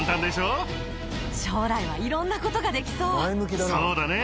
将来はいろんなことができそそうだね。